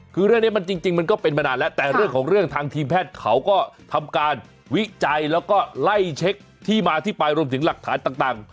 คือเรื่องนี้มันจริงมันก็เป็นมานานแล้วแต่เรื่องของเรื่องทางทีมแพทย์เขาก็ทำการวิจัยแล้วก็ไล่เช็คที่มาที่ไปรวมถึงหลักฐานต่าง